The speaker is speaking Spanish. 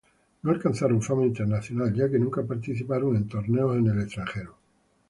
No alcanzaron fama internacional ya que nunca participaron en torneos en el extranjero.